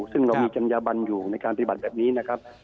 ซึ่งเรามีจัญญาบันอยู่ในการปฏิบัติแบบนี้นะครับ